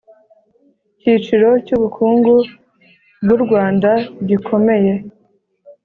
kiciro cy ubukungu bw u Rwanda gikomeye